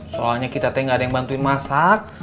soalnya kita teh gak ada yang bantuin masak